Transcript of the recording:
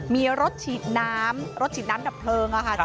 มีรถฉีดน้ำรถฉีดน้ำดับเพลิง